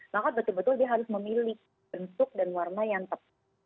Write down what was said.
maka betul betul dia harus memilih bentuk dan warna yang tepat